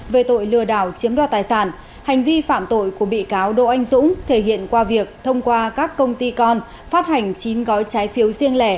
về tội lừa đảo chiếm đoạt tài sản hành vi phạm tội của bị cáo đỗ anh dũng thể hiện qua việc thông qua các công ty con phát hành chín gói trái phiếu riêng lẻ